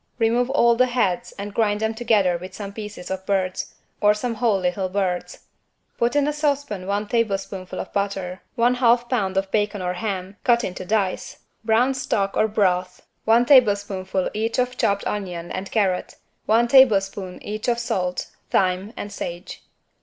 Remove all the heads and grind them together with some pieces of birds, or some whole little birds. Put in a saucepan one tablespoonful of butter one half pound of bacon or ham cut into dice, brown stock or broth, one tablespoonful each of chopped onion and carrot, one tablespoonful each of salt, thyme and sage.